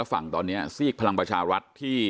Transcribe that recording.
และการแสดงสมบัติของแคนดิเดตนายกนะครับ